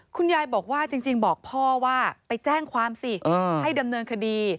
คุณยายบอกว่าจริงบอกพ่อว่าไปแจ้งความสิให้ดำเนินคดี